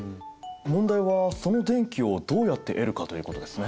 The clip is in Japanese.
問題はその電気をどうやって得るかということですね。